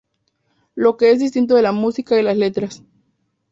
Lo que es distinto es la música y las letras.